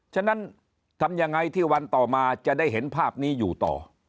ฉะนั้นทำยังไงที่วันต่อมาจะได้เห็นภาพนี้อยู่ต่อ